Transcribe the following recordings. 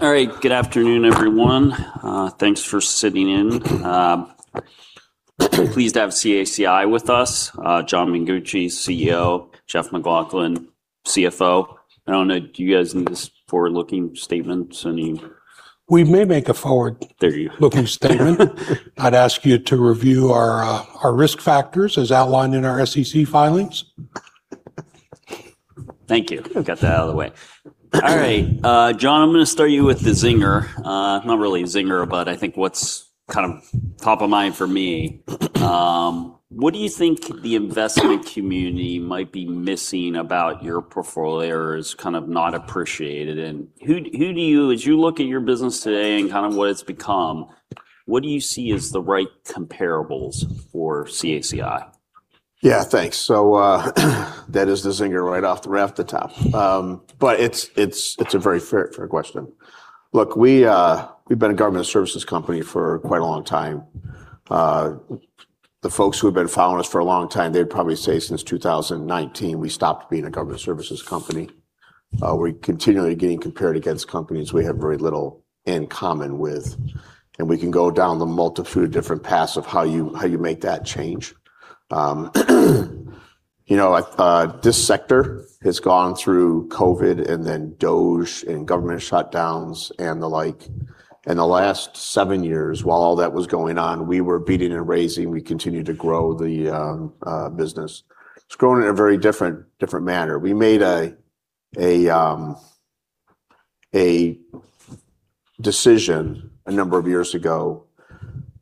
All right. Good afternoon, everyone. Thanks for sitting in. Pleased to have CACI with us. John Mengucci, CEO, Jeff MacLauchlan, CFO. I don't know, do you guys need a forward-looking statement? you- We may make a forward- There you go. looking statement. I'd ask you to review our risk factors as outlined in our SEC filings. Thank you. Got that out of the way. All right. John, I'm going to start you with the zinger. Not really a zinger, but I think what's top of mind for me. What do you think the investment community might be missing about your portfolio, or is not appreciated? As you look at your business today and what it's become, what do you see as the right comparables for CACI? Yeah, thanks. That is the zinger right off the top. It's a very fair question. Look, we've been a government services company for quite a long time. The folks who have been following us for a long time, they'd probably say since 2019, we stopped being a government services company. We're continually getting compared against companies we have very little in common with, we can go down the multitude of different paths of how you make that change. This sector has gone through COVID and then DOGE and government shutdowns and the like. In the last seven years, while all that was going on, we were beating and raising. We continued to grow the business. It's grown in a very different manner. We made a decision a number of years ago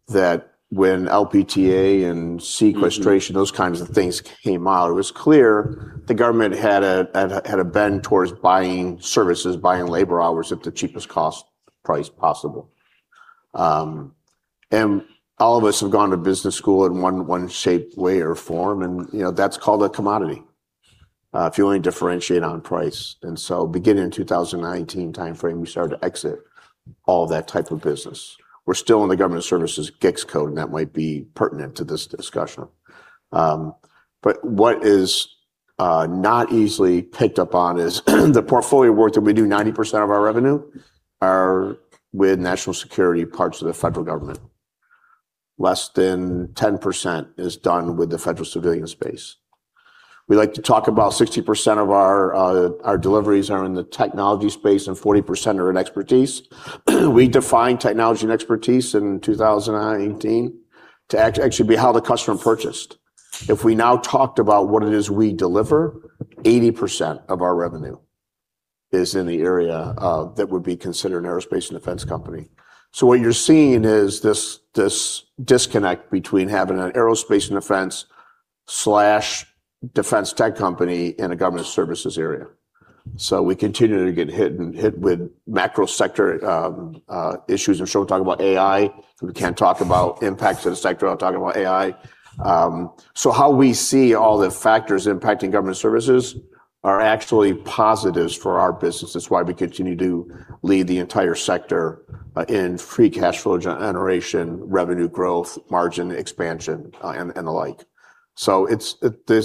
that when LPTA and sequestration, those kinds of things came out, it was clear the government had a bend towards buying services, buying labor hours at the cheapest price possible. All of us have gone to business school in one shape, way, or form, and that's called a commodity. If you only differentiate on price. Beginning in 2019 timeframe, we started to exit all that type of business. We're still in the government services GICS code, that might be pertinent to this discussion. What is not easily picked up on is the portfolio of work that we do, 90% of our revenue are with national security parts of the federal government. Less than 10% is done with the federal civilian space. We like to talk about 60% of our deliveries are in the technology space and 40% are in expertise. We defined technology and expertise in 2019 to actually be how the customer purchased. If we now talked about what it is we deliver, 80% of our revenue is in the area that would be considered an aerospace and defense company. What you're seeing is this disconnect between having an aerospace and defense/defense tech company in a government services area. We continue to get hit with macro sector issues. I'm sure we'll talk about AI. We can't talk about impacts to the sector without talking about AI. How we see all the factors impacting government services are actually positives for our business. That's why we continue to lead the entire sector in free cash flow generation, revenue growth, margin expansion, and the like.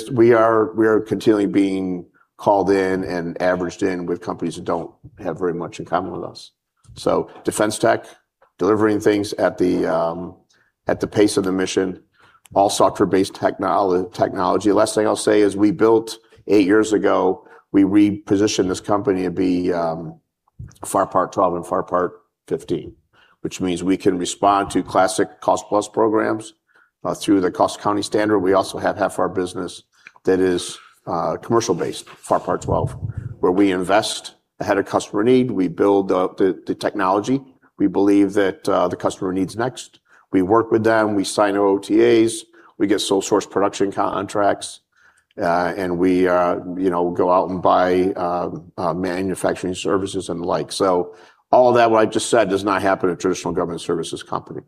We are continually being called in and averaged in with companies that don't have very much in common with us. Defense tech, delivering things at the pace of the mission, all software-based technology. Last thing I'll say is we built, eight years ago, we repositioned this company to be FAR Part 12 and FAR Part 15, which means we can respond to classic cost-plus programs, through the Cost Accounting Standards. We also have half our business that is commercial based, FAR Part 12, where we invest ahead of customer need. We build the technology we believe that the customer needs next. We work with them, we sign OTAs, we get sole source production contracts, and we go out and buy manufacturing services and the like. All that what I've just said does not happen at a traditional government services company.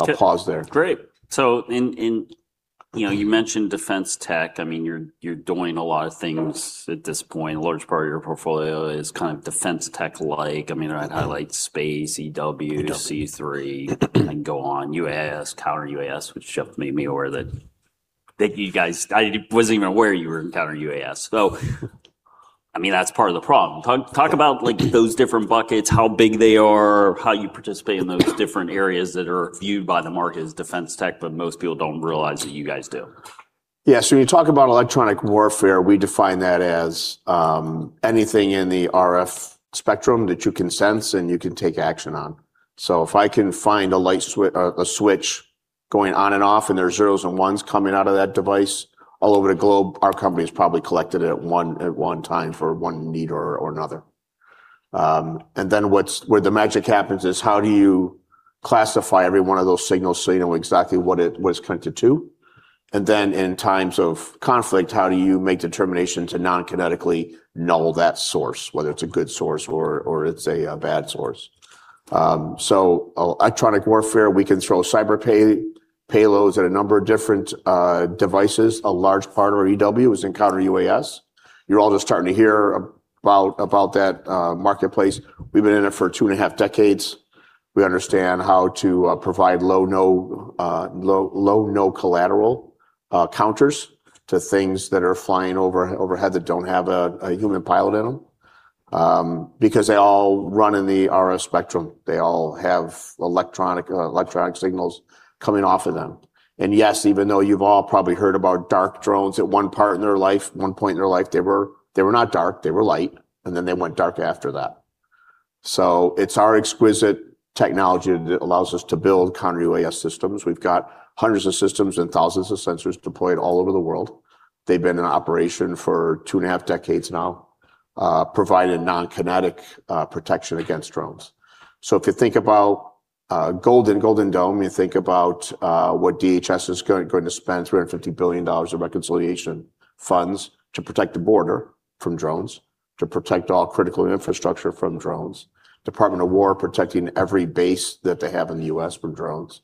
I'll pause there. Great. You mentioned defense tech. You're doing a lot of things at this point. A large part of your portfolio is defense tech like. I might highlight space, EW- EW. C3, I can go on. UAS, counter-UAS, which Jeff made me aware that I wasn't even aware you were in counter-UAS. That's part of the problem. Talk about those different buckets, how big they are, how you participate in those different areas that are viewed by the market as defense tech, but most people don't realize that you guys do. Yeah. When you talk about electronic warfare, we define that as anything in the RF spectrum that you can sense and you can take action on. If I can find a switch going on and off, and there are zeros and ones coming out of that device, all over the globe, our company's probably collected it at one time for one need or another. Where the magic happens is how do you classify every one of those signals so you know exactly what it's connected to? In times of conflict, how do you make determination to non-kinetically null that source, whether it's a good source or it's a bad source? Electronic warfare, we can throw cyber payloads at a number of different devices. A large part of our EW is in counter-UAS. You're all just starting to hear about that marketplace. We've been in it for two and a half decades. We understand how to provide low, no collateral counters to things that are flying overhead that don't have a human pilot in them, because they all run in the RF spectrum. They all have electronic signals coming off of them. And yes, even though you've all probably heard about dark drones, at one point in their life, they were not dark, they were light, and then they went dark after that. It's our exquisite technology that allows us to build counter-UAS systems. We've got hundreds of systems and thousands of sensors deployed all over the world. They've been in operation for two and a half decades now, providing non-kinetic protection against drones. If you think about Golden Dome, you think about what DHS is going to spend, $350 billion of reconciliation funds to protect the border from drones, to protect all critical infrastructure from drones, Department of Defense protecting every base that they have in the U.S. from drones,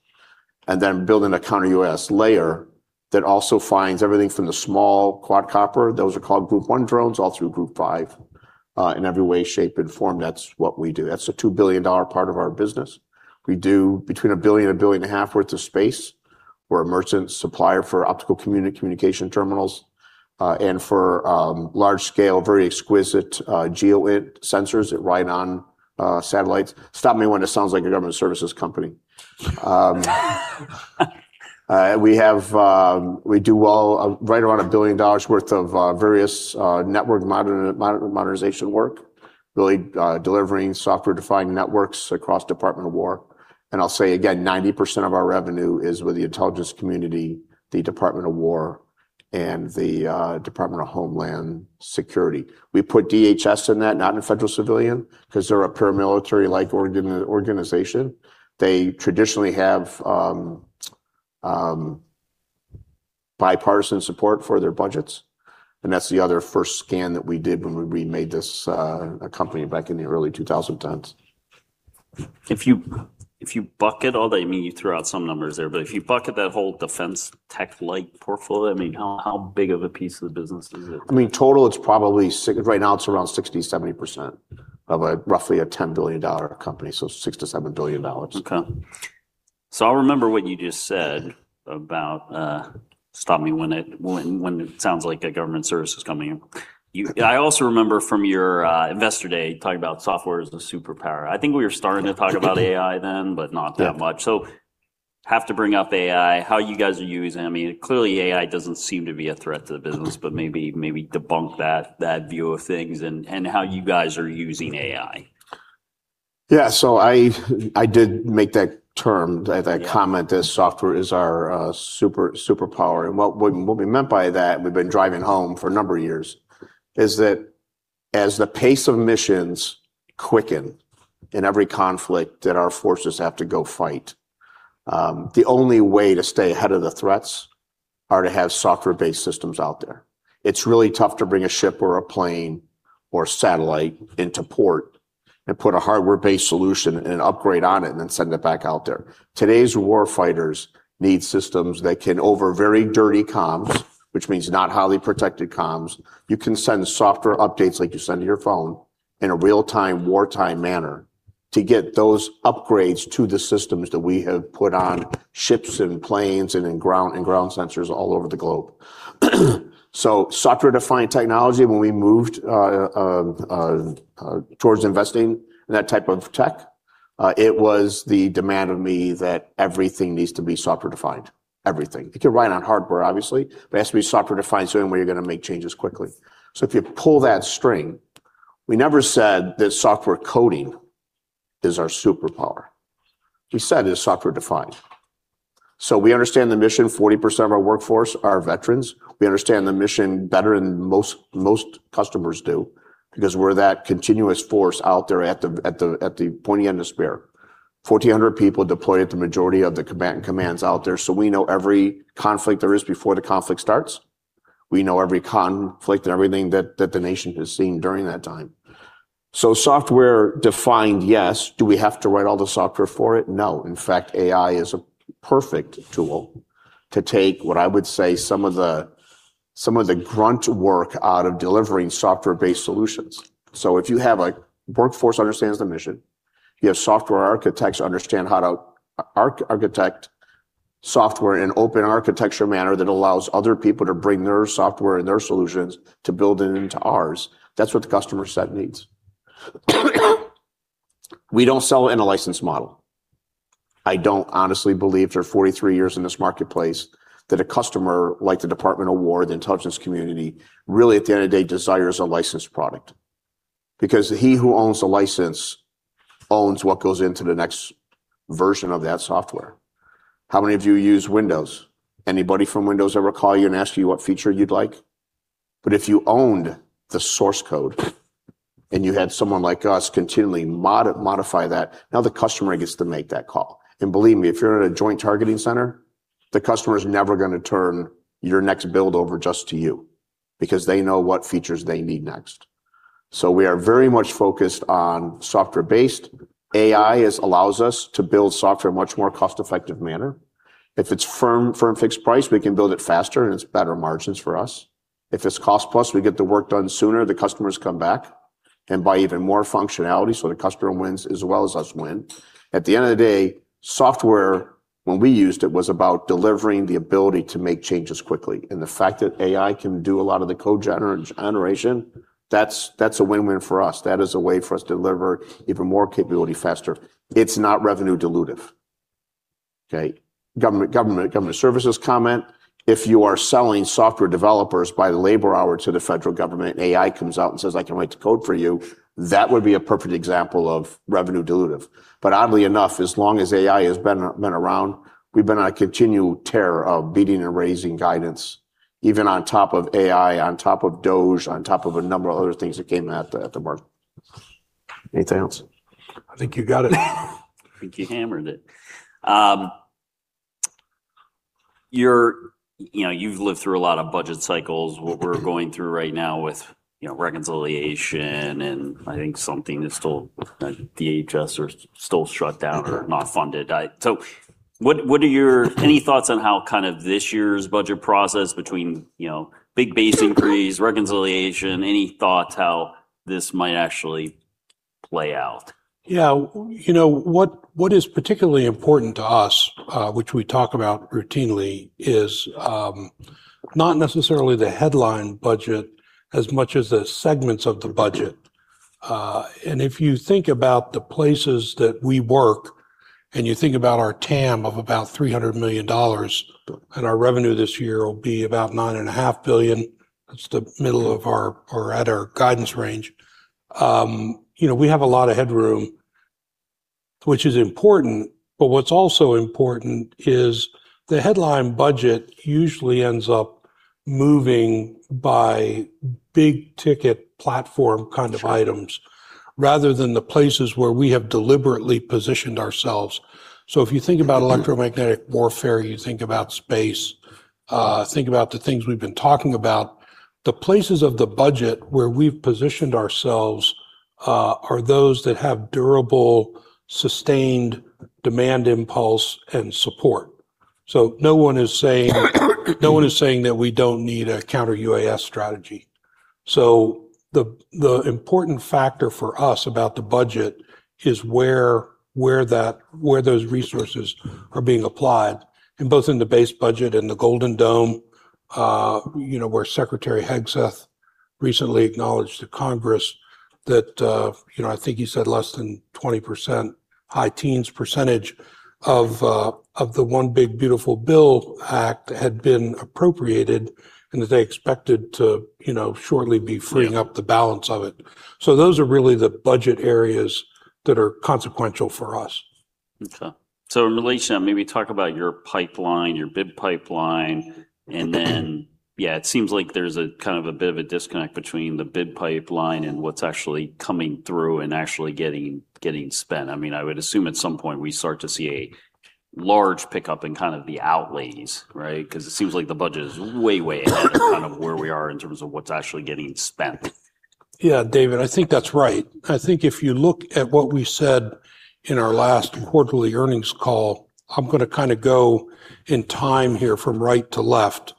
and then building a counter-UAS layer that also finds everything from the small quadcopter, those are called Group 1 drones, all through Group 5, in every way, shape, and form, that's what we do. That's a $2 billion part of our business. We do between $1 billion and $1.5 billion worth of space. We're a merchant supplier for optical communication terminals, and for large scale, very exquisite geo sensors that ride on satellites. Stop me when this sounds like a government services company. We do right around $1 billion worth of various network modernization work, really delivering software-defined networks across Department of Defense. I'll say again, 90% of our revenue is with the Intelligence Community, the Department of Defense, and the Department of Homeland Security. We put DHS in that, not in federal civilian, because they're a paramilitary-like organization. They traditionally have bipartisan support for their budgets, and that's the other first scan that we did when we made this a company back in the early 2010s. If you bucket all that, you threw out some numbers there, but if you bucket that whole defense tech-like portfolio, how big of a piece of the business is it? Total, right now it's around 60%-70% of roughly a $10 billion company. $6 billion-$7 billion. Okay. I'll remember what you just said about, stop me when it sounds like a government service is coming in. I also remember from your Investor Day, talking about software as the superpower. I think we were starting to talk about AI then, not that much. Yeah. Have to bring up AI, how you guys are using it. Clearly AI doesn't seem to be a threat to the business, maybe debunk that view of things and how you guys are using AI. Yeah. I did make that term, that comment, that software is our superpower. What we meant by that, we've been driving home for a number of years, is that as the pace of missions quicken in every conflict that our forces have to go fight, the only way to stay ahead of the threats are to have software-based systems out there. It's really tough to bring a ship or a plane or satellite into port and put a hardware-based solution and an upgrade on it, and then send it back out there. Today's war fighters need systems that can, over very dirty comms, which means not highly protected comms, you can send software updates like you send to your phone in a real-time, wartime manner to get those upgrades to the systems that we have put on ships and planes and in ground sensors all over the globe. Software-defined technology, when we moved towards investing in that type of tech, it was the demand of me that everything needs to be software-defined. Everything. It can ride on hardware, obviously, but it has to be software-defined, so any way you're going to make changes quickly. If you pull that string, we never said that software coding is our superpower. We said it is software-defined. We understand the mission. 40% of our workforce are veterans. We understand the mission better than most customers do because we're that continuous force out there at the pointy end of the spear. 1,400 people deployed at the majority of the combatant commands out there, we know every conflict there is before the conflict starts. We know every conflict and everything that the nation has seen during that time. Software-defined, yes. Do we have to write all the software for it? No. In fact, AI is a perfect tool to take, what I would say, some of the grunt work out of delivering software-based solutions. If you have a workforce that understands the mission, you have software architects who understand how to architect software in open architecture manner that allows other people to bring their software and their solutions to build it into ours. That's what the customer set needs. We don't sell in a license model. I don't honestly believe for 43 years in this marketplace that a customer like the Department of War, the intelligence community, really at the end of the day, desires a licensed product. Because he who owns the license owns what goes into the next version of that software. How many of you use Windows? Anybody from Windows ever call you and ask you what feature you'd like? If you owned the source code and you had someone like us continually modify that, now the customer gets to make that call. Believe me, if you're in a joint targeting center, the customer's never going to turn your next build over just to you because they know what features they need next. We are very much focused on software-based. AI allows us to build software in a much more cost-effective manner. If it's firm-fixed-price, we can build it faster and it's better margins for us. If it's cost-plus, we get the work done sooner, the customers come back and buy even more functionality, the customer wins as well as us win. At the end of the day, software, when we used it, was about delivering the ability to make changes quickly. The fact that AI can do a lot of the code generation, that's a win-win for us. That is a way for us to deliver even more capability faster. It's not revenue dilutive. Okay? Government services comment, if you are selling software developers by the labor hour to the federal government, AI comes out and says, "I can write the code for you," that would be a perfect example of revenue dilutive. Oddly enough, as long as AI has been around, we've been on a continual tear of beating and raising guidance, even on top of AI, on top of DOGE, on top of a number of other things that came at the mark. Anything else? I think you got it. I think you hammered it. You've lived through a lot of budget cycles. What we're going through right now with reconciliation, DHS are still shut down or not funded. Any thoughts on how this year's budget process between big base increase, reconciliation, any thoughts how this might actually play out? Yeah. What is particularly important to us, which we talk about routinely, is not necessarily the headline budget as much as the segments of the budget. If you think about the places that we work and you think about our TAM of about $300 million, and our revenue this year will be about $9.5 billion, that's the middle of our, or at our guidance range. We have a lot of headroom, which is important, what's also important is the headline budget usually ends up moving by big ticket platform kind of items. Rather than the places where we have deliberately positioned ourselves. If you think about electromagnetic warfare, you think about space, think about the things we've been talking about, the places of the budget where we've positioned ourselves, are those that have durable, sustained demand impulse and support. No one is saying that we don't need a Counter-UAS strategy. The important factor for us about the budget is where those resources are being applied, both in the base budget and the Golden Dome, where Secretary Hegseth recently acknowledged to Congress that, I think he said less than 20%, high teens percentage of the One Big Beautiful Bill Act had been appropriated, and that they expected to shortly be freeing up the balance of it. Those are really the budget areas that are consequential for us. Okay. In relation to that, maybe talk about your pipeline, your bid pipeline, and then, yeah, it seems like there's a bit of a disconnect between the bid pipeline and what's actually coming through and actually getting spent. I would assume at some point we start to see a large pickup in the outlays, right? It seems like the budget is way ahead of where we are in terms of what's actually getting spent. Yeah, David, I think that's right. I think if you look at what we said in our last quarterly earnings call, I'm going to go in time here from right to left.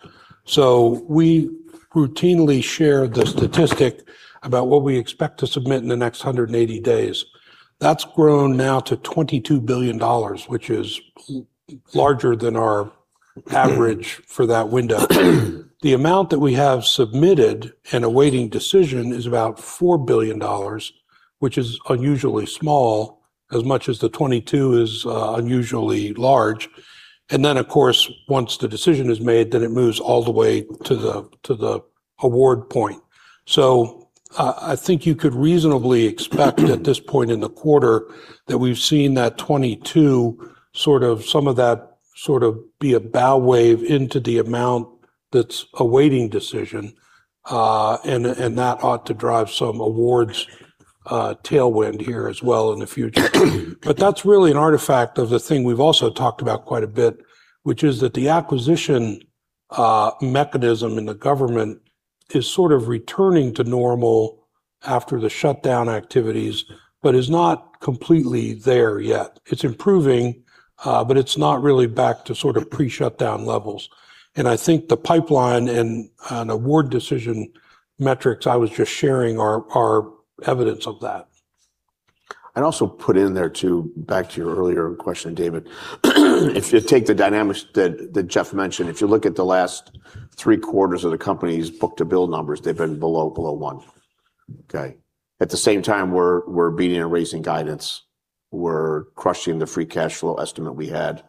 We routinely share the statistic about what we expect to submit in the next 180 days. That's grown now to $22 billion, which is larger than our average for that window. The amount that we have submitted and awaiting decision is about $4 billion, which is unusually small, as much as the 22 is unusually large. Of course, once the decision is made, it moves all the way to the award point. I think you could reasonably expect at this point in the quarter that we've seen that 22, some of that be a bow wave into the amount that's awaiting decision. That ought to drive some awards tailwind here as well in the future. That's really an artifact of the thing we've also talked about quite a bit, which is that the acquisition mechanism in the government is sort of returning to normal after the shutdown activities, but is not completely there yet. It's improving, but it's not really back to pre-shutdown levels. I think the pipeline and award decision metrics I was just sharing are evidence of that. I'd also put in there too, back to your earlier question, David. If you take the dynamics that Jeff mentioned, if you look at the last three quarters of the company's book-to-bill numbers, they've been below one. Okay? At the same time, we're beating and raising guidance. We're crushing the free cash flow estimate we had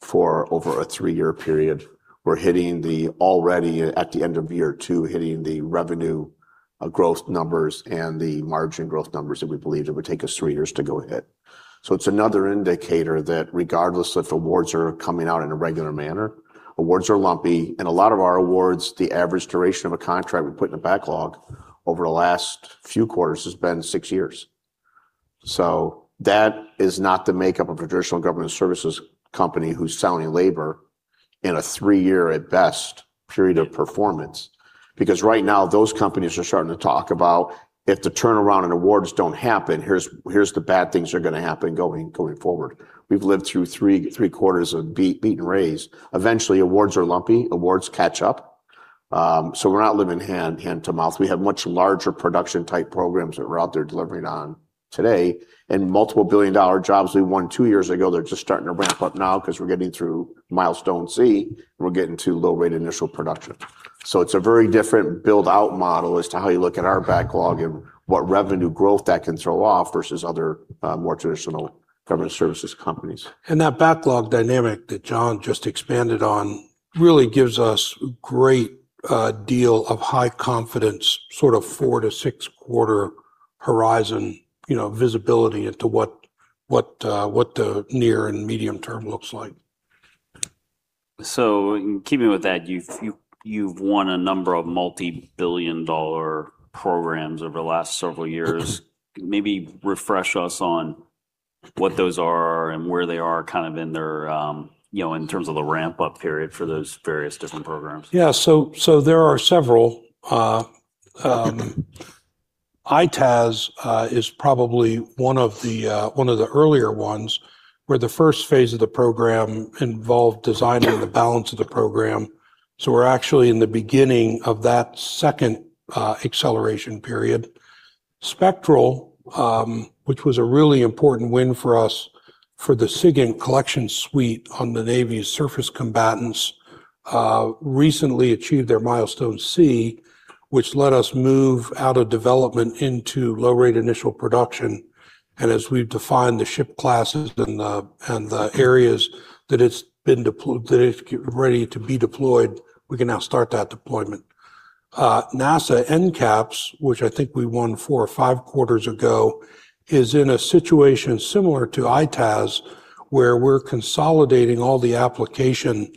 for over a three-year period. Already at the end of year two, hitting the revenue growth numbers and the margin growth numbers that we believed it would take us three years to go hit. It's another indicator that regardless if awards are coming out in a regular manner, awards are lumpy, and a lot of our awards, the average duration of a contract we put in a backlog over the last few quarters has been six years. That is not the makeup of a traditional government services company who's selling labor in a three-year, at best, period of performance. Right now, those companies are starting to talk about if the turnaround in awards don't happen, here's the bad things that are going to happen going forward. We've lived through three quarters of beat and raise. Eventually, awards are lumpy. Awards catch up. We're not living hand to mouth. We have much larger production type programs that we're out there delivering on. Today, and multiple billion-dollar jobs we won two years ago that are just starting to ramp up now because we're getting through Milestone C, and we're getting to low-rate initial production. It's a very different build-out model as to how you look at our backlog and what revenue growth that can throw off versus other more traditional government services companies. That backlog dynamic that John just expanded on really gives us a great deal of high-confidence, sort of four to six-quarter horizon visibility into what the near and medium term looks like. In keeping with that, you've won a number of multi-billion dollar programs over the last several years. Maybe refresh us on what those are and where they are in terms of the ramp up period for those various different programs. Yeah. There are several. EITaaS is probably one of the earlier ones where the first phase of the program involved designing the balance of the program. We're actually in the beginning of that second acceleration period. Spectral, which was a really important win for us for the SIGINT collection suite on the Navy's surface combatants, recently achieved their Milestone C, which let us move out of development into low-rate initial production. As we've defined the ship classes and the areas that it's been ready to be deployed, we can now start that deployment. NASA NCAPS, which I think we won four or five quarters ago, is in a situation similar to EITaaS, where we're consolidating all the application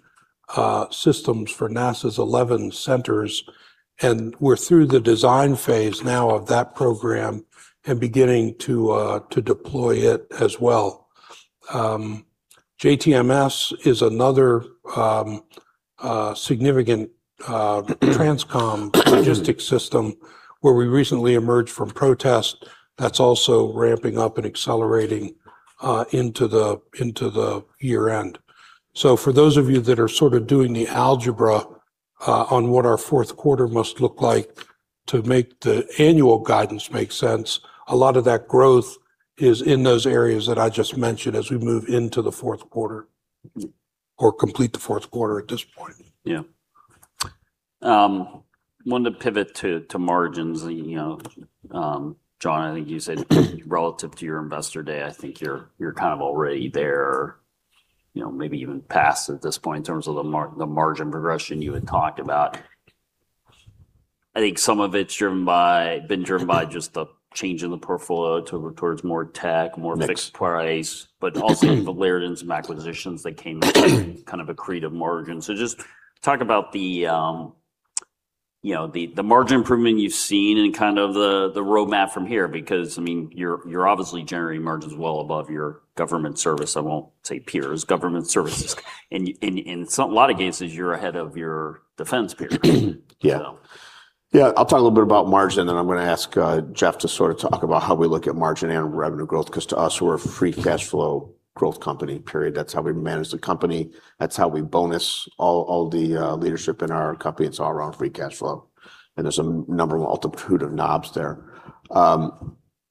systems for NASA's 11 centers, we're through the design phase now of that program and beginning to deploy it as well. JTMS is another significant TRANSCOM logistics system where we recently emerged from protest. That is also ramping up and accelerating into the year-end. For those of you that are sort of doing the algebra on what our fourth quarter must look like to make the annual guidance make sense, a lot of that growth is in those areas that I just mentioned as we move into the fourth quarter or complete the fourth quarter at this point. Yeah. Wanted to pivot to margins. John, I think you said relative to your investor day, I think you are kind of already there or maybe even past at this point in terms of the margin progression you had talked about. I think some of it has been driven by just the change in the portfolio towards more tech, more fixed price, but also the layered in some acquisitions that came in kind of accretive margin. Just talk about the margin improvement you have seen and kind of the roadmap from here, because you are obviously generating margins well above your government service, I won't say peers, government services. In a lot of cases, you are ahead of your defense peers. Yeah. I will talk a little bit about margin, then I am going to ask Jeff to sort of talk about how we look at margin and revenue growth, because to us, we are a free cash flow growth company, period. That is how we manage the company. That is how we bonus all the leadership in our company. It is all around free cash flow, and there is a number of multitude of knobs there.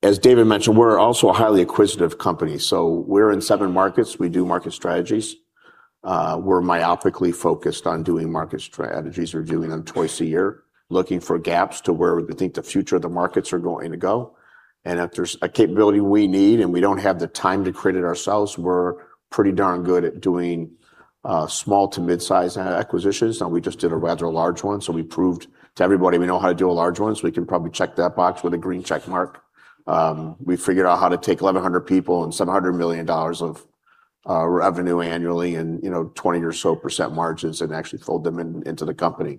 As David mentioned, we are also a highly acquisitive company. We are in seven markets. We do market strategies. We are myopically focused on doing market strategies. We are doing them twice a year, looking for gaps to where we think the future of the markets are going to go. If there is a capability we need and we do not have the time to create it ourselves, we are pretty darn good at doing small to mid-size acquisitions. Now we just did a rather large one, we proved to everybody we know how to do a large one, we can probably check that box with a green check mark. We figured out how to take 1,100 people and $700 million of revenue annually and 20% or so margins and actually fold them into the company.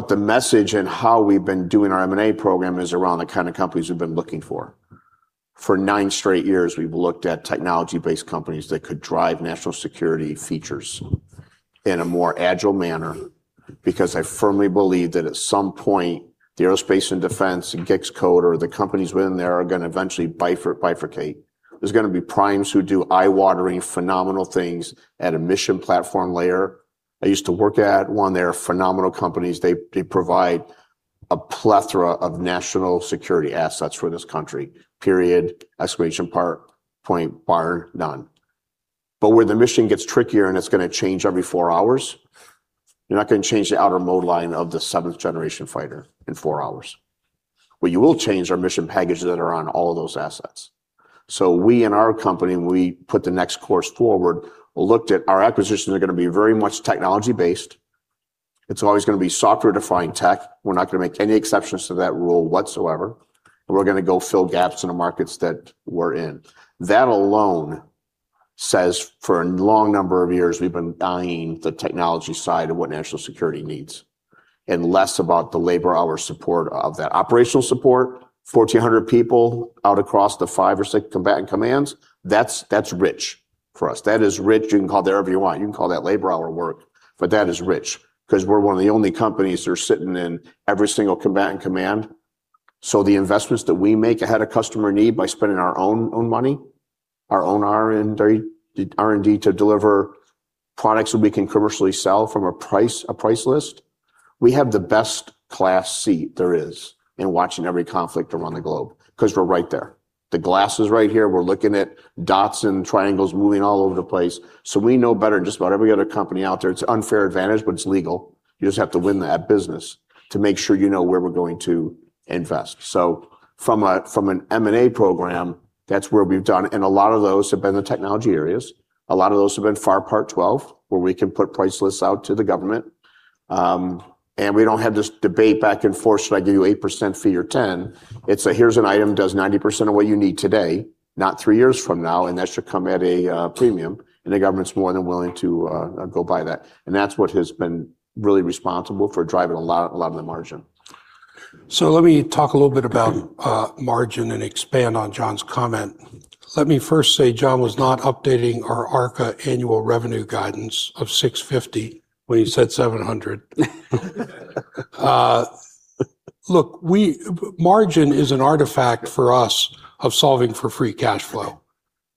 The message in how we have been doing our M&A program is around the kind of companies we have been looking for. For nine straight years, we have looked at technology-based companies that could drive national security features in a more agile manner because I firmly believe that at some point, the aerospace and defense and GICS code or the companies within there are going to eventually bifurcate. There is going to be primes who do eye-watering, phenomenal things at a mission platform layer. I used to work at one. They are phenomenal companies. They provide a plethora of national security assets for this country, period, bar none. Where the mission gets trickier and it's going to change every four hours, you're not going to change the outer mold line of the seventh generation fighter in four hours. What you will change are mission packages that are on all of those assets. We in our company, when we put the next course forward, looked at our acquisitions are going to be very much technology-based. It's always going to be software-defined tech. We're not going to make any exceptions to that rule whatsoever, and we're going to go fill gaps in the markets that we're in. That alone says for a long number of years, we've been buying the technology side of what national security needs and less about the labor hour support of that. Operational support, 1,400 people out across the five or six combatant commands, that's rich for us. That is rich. You can call it whatever you want. You can call that labor hour work, that is rich because we're one of the only companies that are sitting in every single combatant command. The investments that we make ahead of customer need by spending our own money, our own R&D to deliver products that we can commercially sell from a price list. We have the best class seat there is in watching every conflict around the globe because we're right there. The glass is right here. We're looking at dots and triangles moving all over the place. We know better than just about every other company out there. It's an unfair advantage, but it's legal. You just have to win that business to make sure you know where we're going to invest. From an M&A program, that's where we've done. A lot of those have been the technology areas. A lot of those have been FAR Part 12, where we can put price lists out to the government. We don't have this debate back and forth, should I give you 8% fee or 10%? It's a, "Here's an item. Does 90% of what you need today, not three years from now," and that should come at a premium. The government's more than willing to go buy that. That's what has been really responsible for driving a lot of the margin. Let me talk a little bit about margin and expand on John's comment. Let me first say John was not updating our ARKA annual revenue guidance of $650 when he said $700. Look, margin is an artifact for us of solving for free cash flow.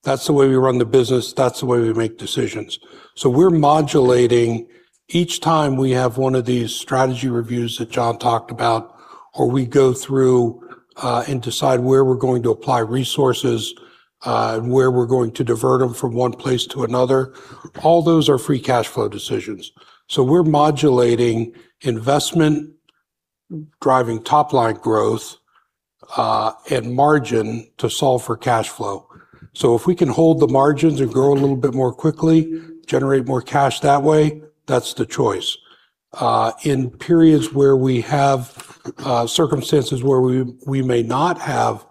That's the way we run the business. That's the way we make decisions. We're modulating each time we have one of these strategy reviews that John talked about, or we go through and decide where we're going to apply resources and where we're going to divert them from one place to another. All those are free cash flow decisions. We're modulating investment, driving top-line growth, and margin to solve for cash flow. If we can hold the margins and grow a little bit more quickly, generate more cash that way, that's the choice. In periods where we have circumstances where we may not have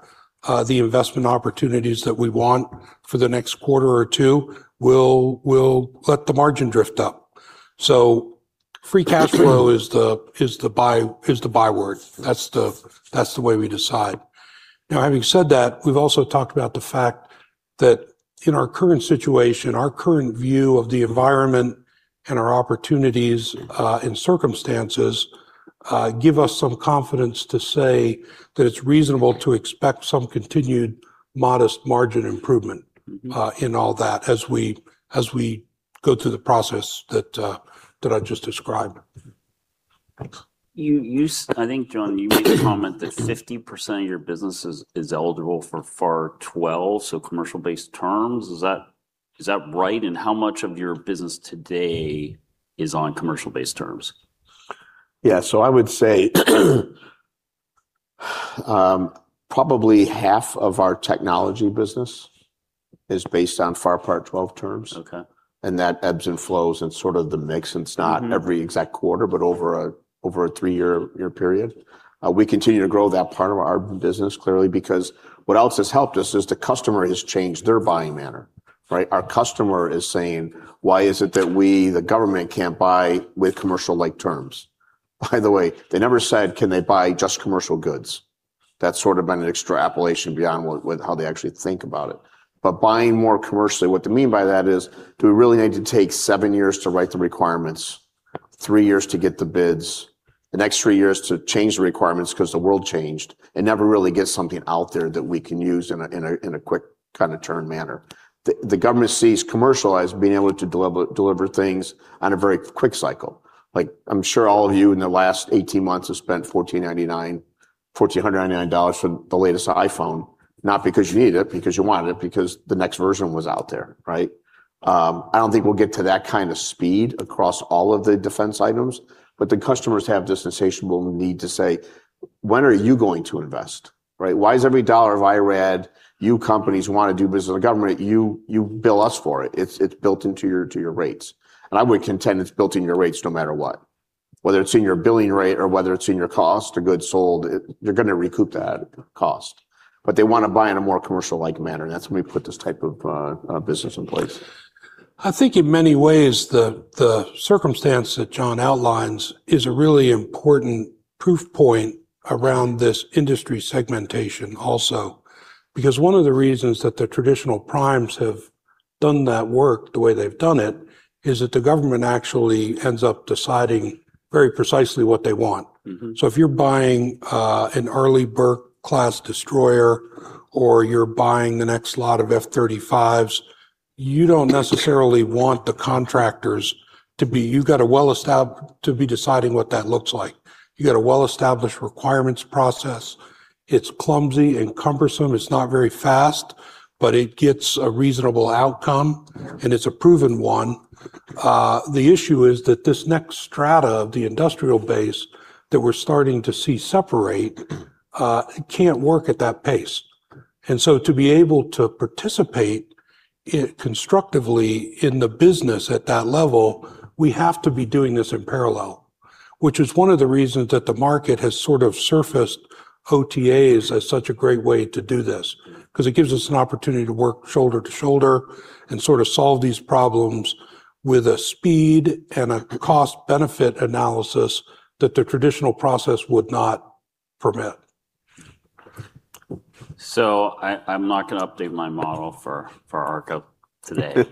the investment opportunities that we want for the next quarter or two, we'll let the margin drift up. Free cash flow. Absolutely. is the byword. That's the way we decide. Now, having said that, we've also talked about the fact that in our current situation, our current view of the environment and our opportunities and circumstances give us some confidence to say that it's reasonable to expect some continued modest margin improvement. in all that as we go through the process that I just described. I think, John, you made a comment that 50% of your business is eligible for FAR 12, so commercial-based terms. Is that right? How much of your business today is on commercial-based terms? Yeah. I would say probably half of our technology business is based on FAR Part 12 terms. Okay. That ebbs and flows in sort of the mix. It's not every exact quarter, over a three-year period. We continue to grow that part of our business, clearly, because what else has helped us is the customer has changed their buying manner. Right? Our customer is saying, "Why is it that we, the government, can't buy with commercial-like terms?" By the way, they never said can they buy just commercial goods. That's sort of been an extrapolation beyond how they actually think about it. Buying more commercially, what they mean by that is, do we really need to take seven years to write the requirements, three years to get the bids, the next three years to change the requirements because the world changed, and never really get something out there that we can use in a quick kind of turn manner? The government sees commercial as being able to deliver things on a very quick cycle. I'm sure all of you in the last 18 months have spent $1,499 for the latest iPhone, not because you need it, because you wanted it, because the next version was out there. Right? I don't think we'll get to that kind of speed across all of the defense items, the customers have this insatiable need to say, "When are you going to invest?" Right? Why is every dollar of IRAD you companies who want to do business with the government, you bill us for it? It's built into your rates. I would contend it's built in your rates no matter what. Whether it's in your billing rate or whether it's in your cost of goods sold, you're going to recoup that cost. They want to buy in a more commercial-like manner, that's when we put this type of business in place. I think in many ways, the circumstance that John outlines is a really important proof point around this industry segmentation also. One of the reasons that the traditional primes have done that work the way they've done it is that the government actually ends up deciding very precisely what they want. If you're buying an Arleigh Burke-class destroyer, or you're buying the next lot of F-35s, you don't necessarily want the contractors to be deciding what that looks like. You got a well-established requirements process. It's clumsy and cumbersome. It's not very fast, but it gets a reasonable outcome. Yeah. It's a proven one. The issue is that this next strata of the industrial base that we're starting to see separate can't work at that pace. To be able to participate constructively in the business at that level, we have to be doing this in parallel, which is one of the reasons that the market has sort of surfaced OTAs as such a great way to do this. It gives us an opportunity to work shoulder to shoulder and sort of solve these problems with a speed and a cost-benefit analysis that the traditional process would not permit. I'm not going to update my model for ARKA today.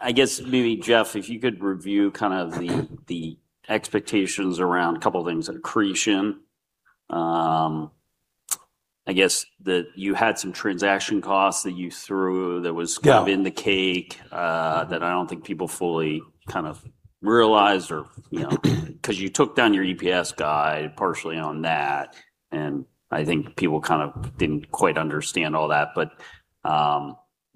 I guess maybe, Jeff, if you could review kind of the expectations around a couple of things. Accretion. I guess that you had some transaction costs that you threw. Yeah. kind of in the cake, that I don't think people fully kind of realized you know, because you took down your EPS guide partially on that. I think people kind of didn't quite understand all that.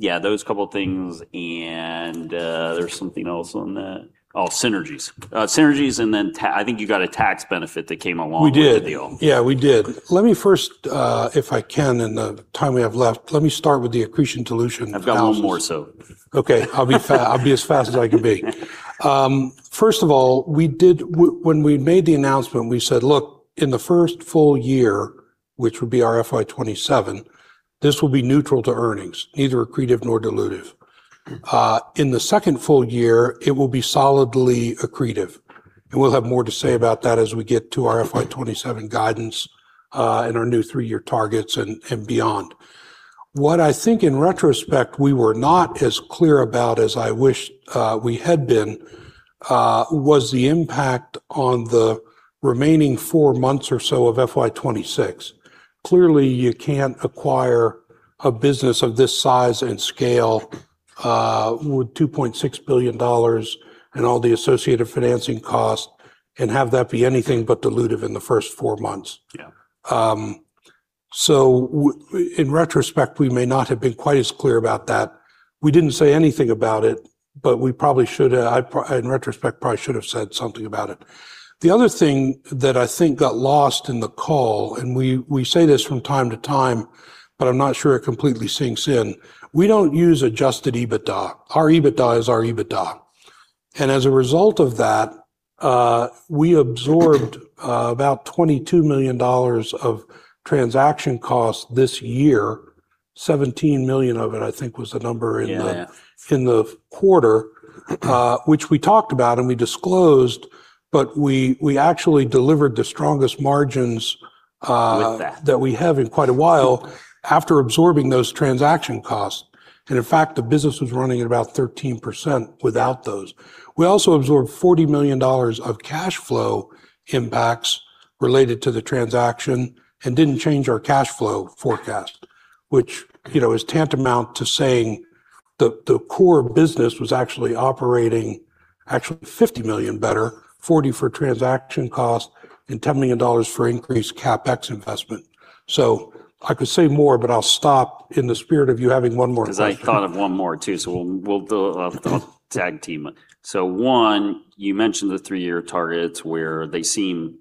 Yeah, those couple things and, there was something else on that. Oh, synergies. Synergies. I think you got a tax benefit that came along. We did. with the deal. Yeah, we did. Let me first, if I can in the time we have left, let me start with the accretion dilution analysis. I've got one more. I'll be as fast as I can be. First of all, when we made the announcement, we said, "Look, in the first full year," which would be our FY 2027, "this will be neutral to earnings, neither accretive nor dilutive. In the second full year, it will be solidly accretive," we'll have more to say about that as we get to our FY 2027 guidance, our new three-year targets and beyond. What I think in retrospect we were not as clear about as I wish we had been, was the impact on the remaining four months or so of FY 2026. Clearly, you can't acquire a business of this size and scale, with $2.6 billion and all the associated financing costs, and have that be anything but dilutive in the first four months. Yeah. In retrospect, we may not have been quite as clear about that. We didn't say anything about it, we probably should have. I in retrospect probably should've said something about it. The other thing that I think got lost in the call, we say this from time to time, I'm not sure it completely sinks in, we don't use adjusted EBITDA. Our EBITDA is our EBITDA, as a result of that, we absorbed about $22 million of transaction costs this year, $17 million of it, I think was the number. Yeah. in the quarter, which we talked about and we disclosed, we actually delivered the strongest margins. With that. that we have in quite a while after absorbing those transaction costs. In fact, the business was running at about 13% without those. We also absorbed $40 million of cash flow impacts related to the transaction and didn't change our cash flow forecast, which is tantamount to saying the core business was actually operating $50 million better, $40 million for transaction cost, and $10 million for increased CapEx investment. I could say more, but I'll stop in the spirit of you having one more question. I thought of one more too, we'll tag team it. One, you mentioned the three-year targets where they seem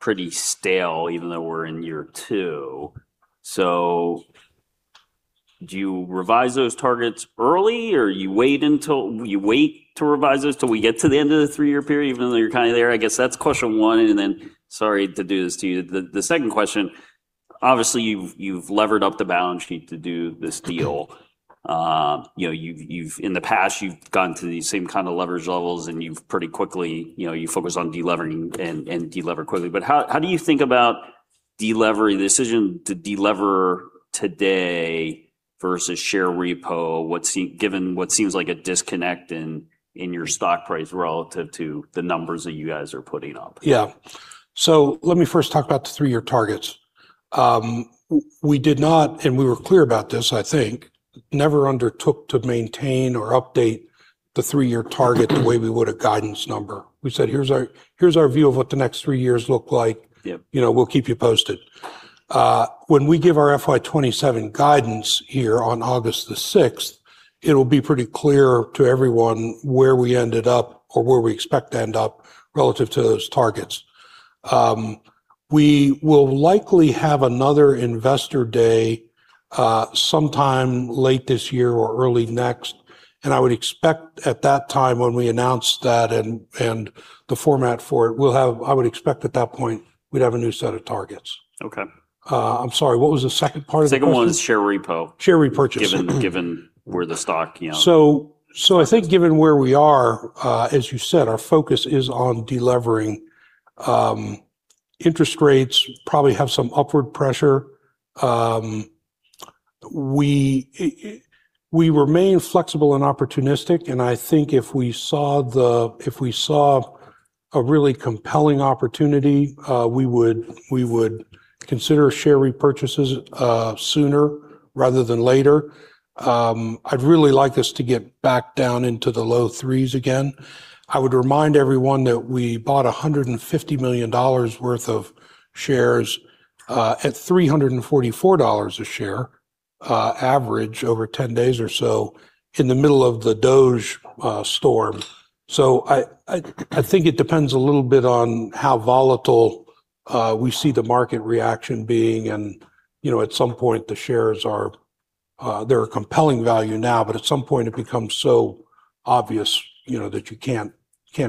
pretty stale even though we're in year two. Do you revise those targets early, or you wait to revise those till we get to the end of the three-year period even though you're kind of there? I guess that's question one, then, sorry to do this to you, the second question, obviously, you've levered up the balance sheet to do this deal. In the past, you've gotten to these same kind of leverage levels, and you've pretty quickly focused on de-levering and de-lever quickly. How do you think about de-levering, the decision to de-lever today versus share repo, given what seems like a disconnect in your stock price relative to the numbers that you guys are putting up? Yeah. Let me first talk about the three-year targets. We did not, and we were clear about this, I think, never undertook to maintain or update the three-year target the way we would a guidance number. We said, "Here's our view of what the next three years look like. Yep. We'll keep you posted." When we give our FY 2027 guidance here on August the 6th, it'll be pretty clear to everyone where we ended up or where we expect to end up relative to those targets. We will likely have another investor day sometime late this year or early next. I would expect at that time when we announce that and the format for it, I would expect at that point we'd have a new set of targets. Okay. I'm sorry, what was the second part of the question? Second one is share repo. Share repurchase. Given where the stock, you know. I think given where we are, as you said, our focus is on de-levering. Interest rates probably have some upward pressure. We remain flexible and opportunistic, and I think if we saw a really compelling opportunity, we would consider share repurchases sooner rather than later. I'd really like us to get back down into the low threes again. I would remind everyone that we bought $150 million worth of shares, at $344 a share, average over 10 days or so, in the middle of the DOGE storm. I think it depends a little bit on how volatile we see the market reaction being, and at some point, the shares are compelling value now, but at some point, it becomes so obvious that you can't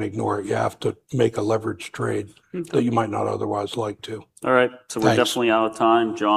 ignore it. You have to make a leverage trade. That you might not otherwise like to. All right. Thanks. We're definitely out of time, John.